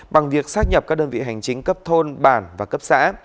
bằng việc xác nhập các đơn vị hành chính cấp thôn bản và cấp xã